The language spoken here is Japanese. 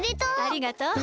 ありがとう。